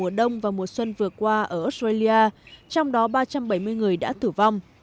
mùa đông và mùa xuân vừa qua ở australia trong đó ba trăm bảy mươi người đã thử vong